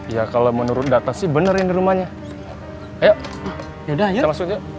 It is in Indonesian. ya kalau menurut data sih bener ini rumahnya ya udah ya